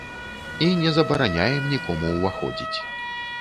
І не забараняем нікому ўваходзіць.